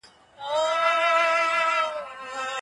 هر یو یې د اسلام د بڼ د خوشبو یوه بې سارې نمونه وه.